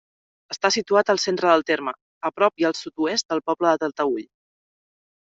Està situat al centre del terme, a prop i al sud-oest del poble de Talteüll.